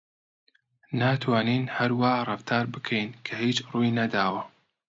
ناتوانین هەر وا ڕەفتار بکەین کە هیچ ڕووی نەداوە.